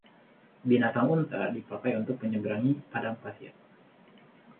binatang unta dipakai untuk menyeberangi padang pasir